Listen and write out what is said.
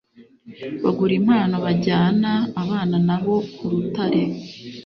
bagura impano bajyana abana nabo ku rutare.